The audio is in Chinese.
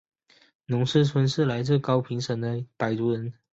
农氏春是来自高平省的侬族人。